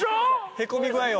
へこみ具合を。